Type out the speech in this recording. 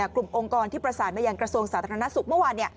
องค์กรที่ประสานมายังกระทรวงสาธารณสุขเมื่อวาน